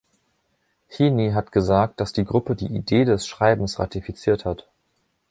Heaney hat gesagt, dass die Gruppe „die Idee des Schreibens ratifiziert hat“.